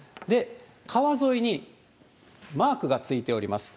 川沿いにマークが付いております。